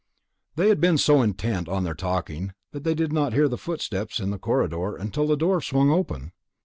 They had been so intent on their talking that they did not hear the footsteps in the corridor until the door swung open.